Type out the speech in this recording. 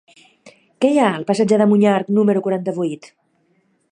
Què hi ha al passatge de Monyarc número quaranta-vuit?